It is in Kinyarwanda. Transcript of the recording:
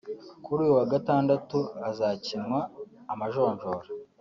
Kuri uyu wa Gatandatu hazakinwa amajonjora